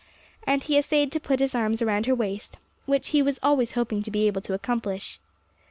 And he essayed to put his arms around her waist, which he was always hoping to be able to accomplish.